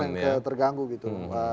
masalah kebenekaan ke terganggu gitu